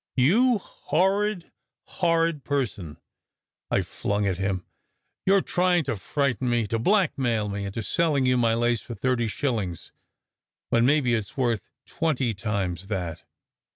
"You horrid, horrid person," I flung at him. "You re trying to frighten me to blackmail me into selling you my lace for thirty shillings, when maybe it s worth twenty times that.